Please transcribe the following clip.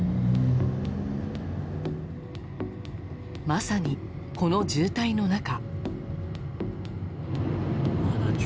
まさに、この渋滞の中。